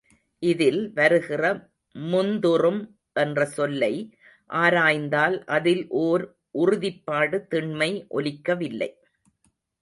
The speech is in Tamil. இதில் வருகிற முந்துறும் என்ற சொல்லை ஆராய்ந்தால் அதில் ஒர் உறுதிப்பாடு திண்மை ஒலிக்கவில்லை.